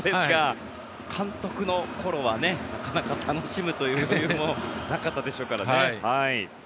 監督の頃はなかなか楽しむという余裕もなかったでしょうからね。